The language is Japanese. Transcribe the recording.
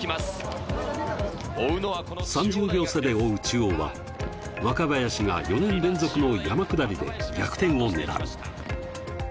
３０秒差で追う中央は、若林が４年連続の山下りで逆転をねらう。